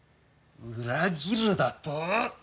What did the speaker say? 裏切るだと？